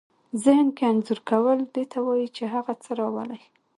ذهن کې انځور کول دې ته وايي چې هغه څه راولئ.